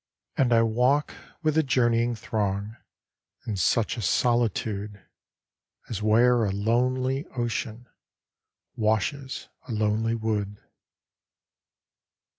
And I walk with the journeying throng In such a solitude As where a lonely ocean Washes a lonely wood.